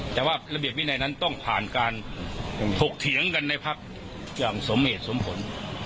แต่ว่าระเบียบวินัยนั้นต้องผ่านการถกเถียงกันในพักอย่างสมเหตุสมผล